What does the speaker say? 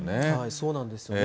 そうなんですね。